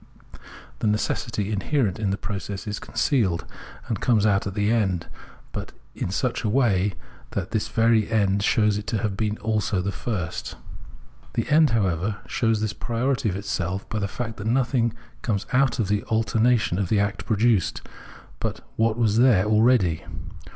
The necessity inherent in the process is concealed, and comes out at the end, but Observation of Organic Nature 251 in such a way that this very end shows it to have been also the first. The end, however, shows this priority of itself by the fact that nothing comes out of the altera tion the act produced, but what was there already.